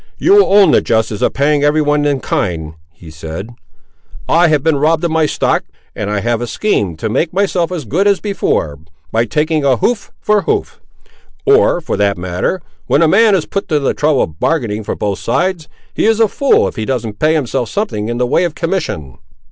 "You will own the justice of paying every one in kind," he said; "I have been robbed of my stock, and I have a scheme to make myself as good as before, by taking hoof for hoof; or for that matter, when a man is put to the trouble of bargaining for both sides, he is a fool if he don't pay himself something in the way of commission."